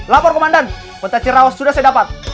lapor komandan kota cirawas sudah saya dapat